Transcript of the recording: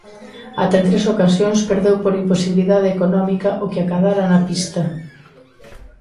Ata en tres ocasións perdeu por imposibilidade económica o que acadara na pista.